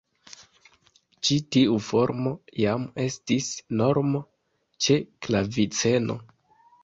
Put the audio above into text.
Ĉi tiu formo jam estis normo ĉe klaviceno.